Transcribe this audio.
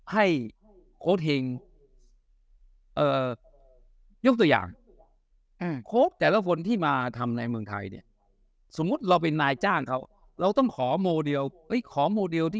ให้กานเหยทิชเตอร์อย่างแต่ละฝนที่มาทำในเมืองไทยสมมุติเราเป็นนายจ้างเขาเราต้องขอโมเดลไอ้ของโมเดล